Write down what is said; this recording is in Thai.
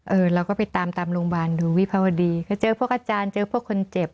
เราก็ไปตามตามโรงพยาบาลดูวิภาวดีก็เจอพวกอาจารย์เจอพวกคนเจ็บ